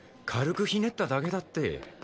軽くひねっただけだって。